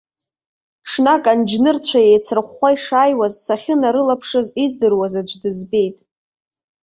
Ҽнак анџьнырцәа еицрыхәхәа ишааиуаз, сахьынарылаԥшыз, издыруаз аӡә дызбеит.